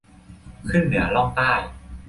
ขึ้นเหนือ ล่องใต้